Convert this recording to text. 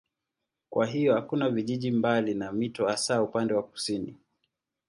Kwa hiyo hakuna vijiji mbali na mito hasa upande wa kusini.